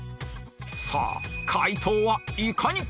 さあ解答はいかに？